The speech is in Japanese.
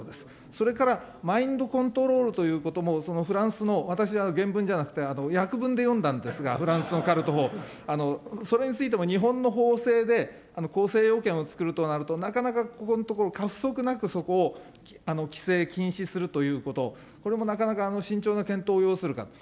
それから、マインドコントロールということも、そのフランスの、私、原文ではなくて訳文で読んだんですが、フランスのカルト法、それについても日本の法制で、構成要件をつくるとなると、なかなかここのところ、過不足なくそこを規制禁止するということ、これもなかなか慎重な検討を要するかと。